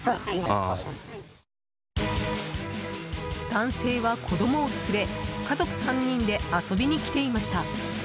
男性は子供を連れ家族３人で遊びに来ていました。